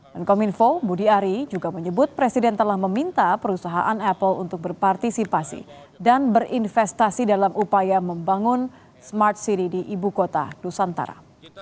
dan kominfo budi ari juga menyebut presiden telah meminta perusahaan apple untuk berpartisipasi dan berinvestasi dalam upaya membangun smart city di ibu kota nusantara